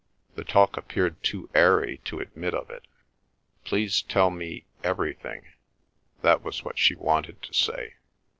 The talk appeared too airy to admit of it. "Please tell me—everything." That was what she wanted to say.